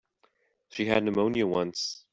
She had pneumonia once.